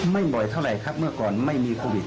ไม่บ่อยเท่าไหร่ครับเมื่อก่อนไม่มีโควิด